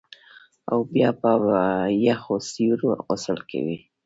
او بیا په یخو سیورو غسل کوي